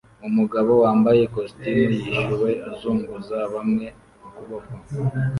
umugabo wambaye ikositimu yishyuwe azunguza bamwe ukuboko